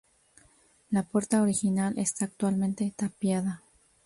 La puerta original está actualmente tapiada.